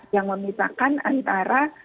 yang memisahkan antara